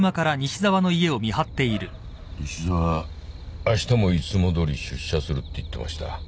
西沢あしたもいつもどおり出社するって言ってました。